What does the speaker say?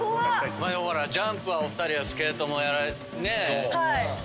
まあでもジャンプはお二人はスケートもやられねえ。